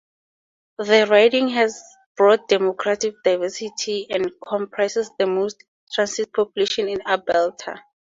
The riding has broad demographic diversity, and comprises the most transient population in Alberta.